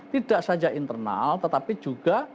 tidak saja internal tetapi juga